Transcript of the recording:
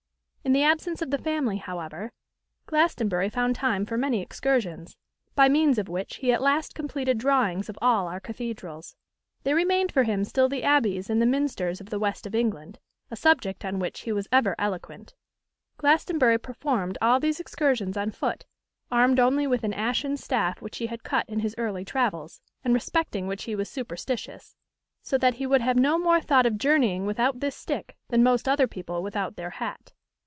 In the absence of the family, however, Glastonbury found time for many excursions; by means of which he at last completed drawings of all our cathedrals. There remained for him still the abbeys and the minsters of the West of England, a subject on which he was ever eloquent. Glastonbury performed all these excursions on foot, armed only with an ashen staff which he had cut in his early travels, and respecting which he was superstitious; so that he would have no more thought of journeying without this stick than most other people without their hat.